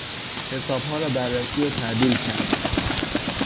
حسابها را بررسی و تعدیل کردن